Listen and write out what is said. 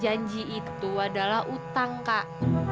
janji itu adalah utang kak